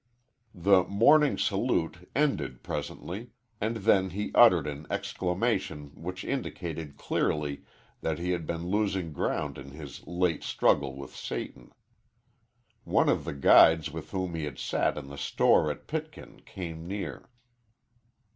The "morning salute" ended presently, and then he uttered an exclamation which indicated clearly that he had been losing ground in his late struggle with Satan. One of the guides with whom he had sat in the store at Pitkin came near.